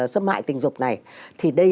xâm hại tình dục này thì đây